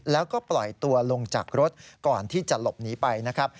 แล้วก็ปล่อยตัวลงจากรถก่อนที่จะหลบหนีไปนะครับ